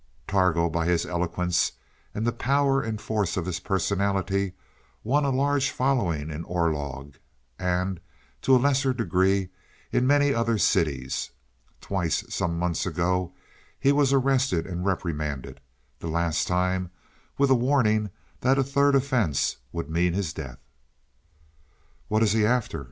"Targo, by his eloquence, and the power and force of his personality, won a large following in Orlog, and to a lesser degree in many other cities. Twice, some months ago, he was arrested and reprimanded; the last time with a warning that a third offence would mean his death." "What is he after?"